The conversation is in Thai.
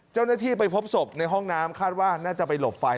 เจ้าหน้าที่ไปพบศพในห้องน้ำคาดว่าน่าจะไปหลบไฟ